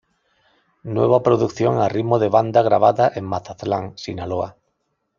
Nueva producción a ritmo de banda grabada en Mazatlán, Sinaloa.